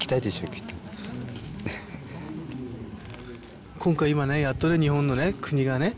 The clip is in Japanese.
きっと今回今ねやっとね日本のね国がね